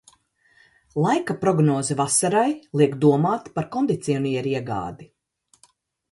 Laika prognoze vasarai liek dom?t par kondicioniera ieg?di.